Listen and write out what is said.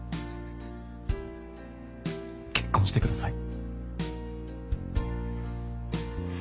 結婚してください。